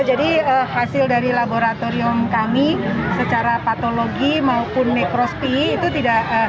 jadi hasil dari laboratorium kami secara patologi maupun nekrospi itu tidak